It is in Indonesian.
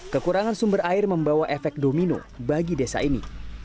kekurangan sumber air membawa efek domino bagi desa ini